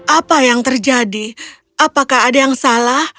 apa yang terjadi apakah ada yang salah